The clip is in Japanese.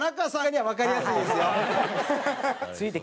はい。